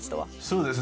そうです。